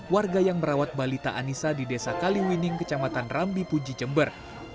warga yang merawat balita anissa di desa kaliwining kecamatan rambi puji jember